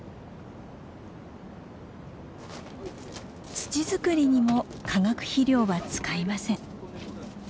土作りにも化学肥料は使いません。